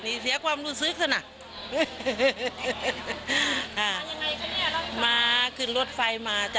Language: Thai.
นี่เสียความรู้สึกซะน่ะอ่าอ่ามาขึ้นรถไฟมาจ้ะ